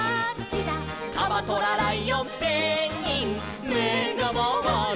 「カバトラライオンペンギンめがまわる」